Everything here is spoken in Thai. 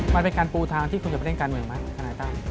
มันเป็นการปูทางที่คุณจะไปเล่นการเมืองไหมทนายตั้ม